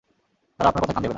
তারা আপনার কথায় কান দেবে না।